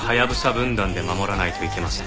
分団で守らないといけません。